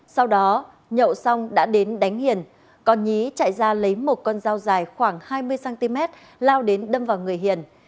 sau đó nhậu xong đã đến đánh hiền còn nhí chạy ra lấy một con dao dài khoảng hai mươi cm lao đến đâm vào người hiền